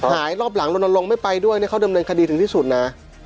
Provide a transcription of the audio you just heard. หายรอบหลังรณรงค์ไม่ไปด้วยเขาเดิมเรียนคดีถึงที่สุดนะ